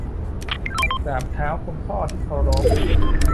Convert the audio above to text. กราบเท้าคุณพ่อที่เคารพ